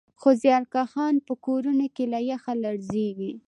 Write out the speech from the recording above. خو زیارکښان په کورونو کې له یخه لړزېږي